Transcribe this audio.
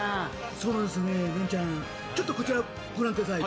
そうなんですよね、ナンちゃん、ちょっとこちらをご覧ください。